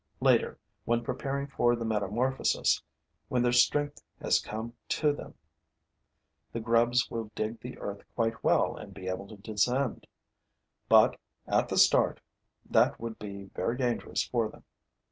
Later, when preparing for the metamorphosis, when their strength has come to them, the grubs will dig the earth quite well and be able to descend; but, at the start, that would be very dangerous for them.